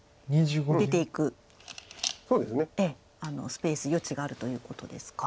スペース余地があるということですか。